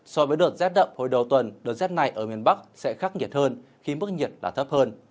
so với đợt rét đậm hồi đầu tuần đợt rét này ở miền bắc sẽ khắc nghiệt hơn khi mức nhiệt là thấp hơn